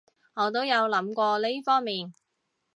我都有諗過呢方面